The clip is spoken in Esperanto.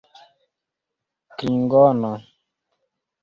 klingono